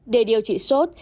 để điều trị sốt